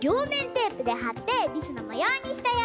テープではってリスのもようにしたよ！